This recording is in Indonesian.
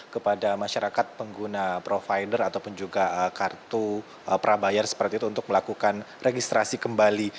kepada masyarakat pengguna provider ataupun juga kartu prabayar seperti itu untuk melakukan registrasi kembali